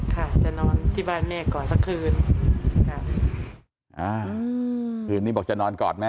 ค่ะจะนอนที่บ้านแม่กอดสักคืน